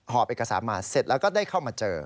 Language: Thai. เอกสารมาเสร็จแล้วก็ได้เข้ามาเจอ